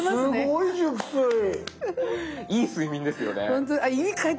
いい睡眠ですよね。